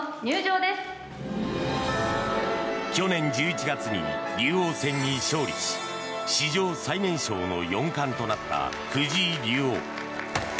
去年１１月に竜王戦に勝利し史上最年少の四冠となった藤井竜王。